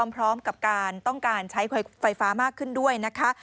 พร้อมกับการต้องการใช้ไฟฟ้ามากขึ้นด้วยนะคะ